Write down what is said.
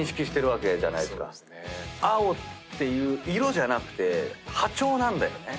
青っていう色じゃなくて波長なんだよね。